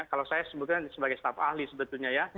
kalau saya sebutkan sebagai staff ahli sebetulnya ya